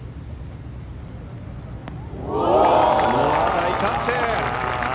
大歓声！